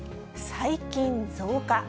細菌増加。